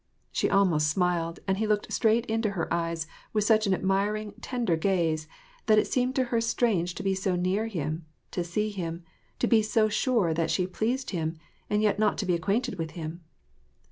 She almost smiled, and he looked straight into her eyes with such an admiring, tender gaze that it seemed to her strange to be so near him, to see him, to be so sure that she pleased ^ him, and yet not to be acquainted with him